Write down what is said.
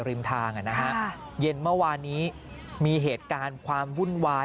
ริมทางเย็นเมื่อวานนี้มีเหตุการณ์ความวุ่นวาย